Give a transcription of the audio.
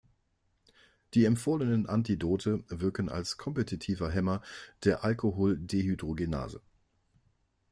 Die empfohlenen Antidote wirken als kompetitive Hemmer der Alkoholdehydrogenase.